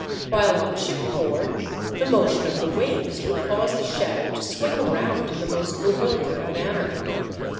While on shipboard the motion of the waves would cause the shadow to swing around in the most bewildering manner.